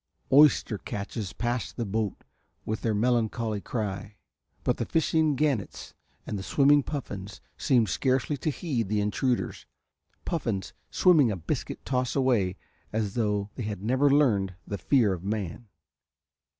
Oyster catches passed the boat with their melancholy cry, but the fishing gannets and the swimming puffins seemed scarcely to heed the intruders. Puffins swimming a biscuit toss away as though they had never learned the fear of man.